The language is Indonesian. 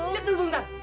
lihat dulu buntelan